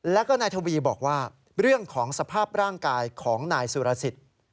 แล้วก็นายทวีบอกว่าเรื่องของสภาพร่างกายของนายสุรสิทธิ์